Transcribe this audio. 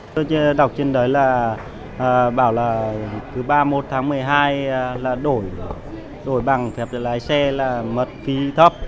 tôi đọc trên đấy là bảo là thứ ba mươi một tháng một mươi hai là đổi bằng phép lái xe là mất phí thấp